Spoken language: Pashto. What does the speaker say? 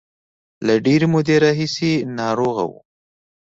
له ډېرې مودې راهیسې ناروغه و.